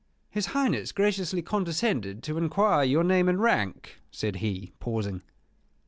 "His Highness graciously condescended to enquire your name and rank," said he, pausing.